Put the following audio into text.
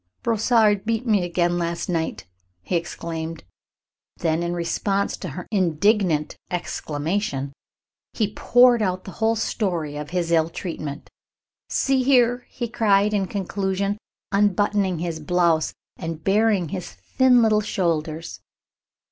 "Brossard beat me again last night," he exclaimed. Then, in response to her indignant exclamation, he poured out the whole story of his ill treatment. "See here!" he cried, in conclusion, unbuttoning his blouse and baring his thin little shoulders.